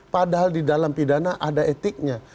padahal di dalam pidana ada etiknya